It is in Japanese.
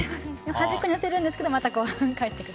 端っこに寄せるんですけどまた帰ってくる。